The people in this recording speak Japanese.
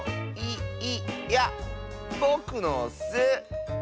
い・い・やぼくのッス！